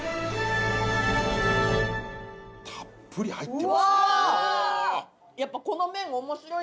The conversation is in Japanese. たっぷり入ってますお！